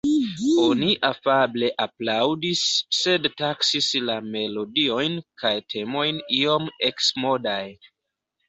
Oni afable aplaŭdis, sed taksis la melodiojn kaj temojn iom eksmodaj.